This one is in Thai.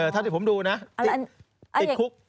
เท่าที่ผมดูนะติดคุก